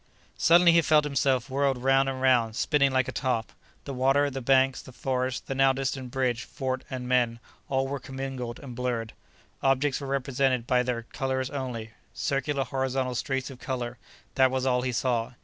Suddenly he felt himself whirled round and round—spinning like a top. The water, the banks, the forests, the now distant bridge, fort and men, all were commingled and blurred. Objects were represented by their colors only; circular horizontal streaks of color—that was all he saw.